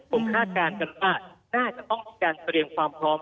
ผมคาดการณ์กันว่าน่าจะต้องมีการเตรียมความพร้อม